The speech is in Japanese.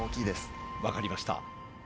分かりました。